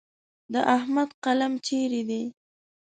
د احمد قلم چیرې دی؟